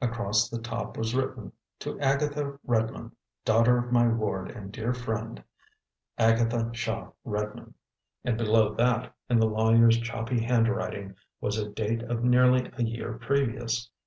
Across the top was written: "To Agatha Redmond, daughter of my ward and dear friend, Agatha Shaw Redmond"; and below that, in the lawyer's choppy handwriting, was a date of nearly a year previous.